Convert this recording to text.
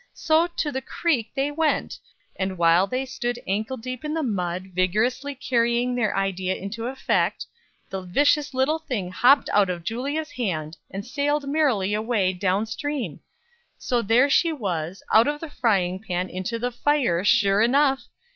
So to the creek they went; and, while they stood ankle deep in the mud, vigorously carrying their idea into effect, the vicious little thing hopped out of Julia's hand, and sailed merrily away, down stream! So there she was, 'Out of the frying pan into the fire,' sure enough!